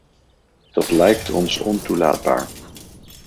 Dat lijkt ons ontoelaatbaar.